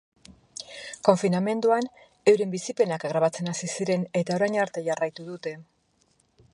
Konfinamenduan euren bizipenak grabatzen hasi ziren eta orain arte jarraitu dute.